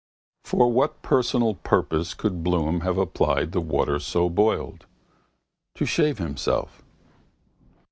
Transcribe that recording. For what personal purpose could Bloom have applied the water so boiled? To shave himself.